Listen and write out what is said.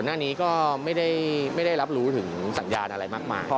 หน้านี้ก็ไม่ได้รับรู้ถึงสัญญาณอะไรมากมาย